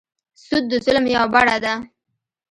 سود د ظلم یوه بڼه ده.